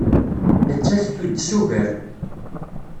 Nettat tudes ugar.